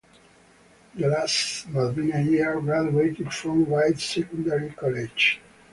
The last Malvina year graduated from Ryde Secondary College.